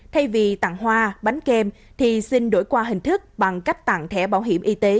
thay vì tặng hoa bánh kem thì xin đổi qua hình thức bằng cách tặng thẻ bảo hiểm y tế